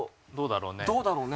どうだろうね。